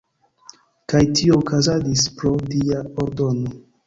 Kaj tio okazadis pro “dia ordono”.